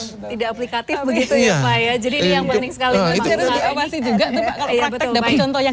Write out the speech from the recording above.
tidak aplikatif begitu ya pak ya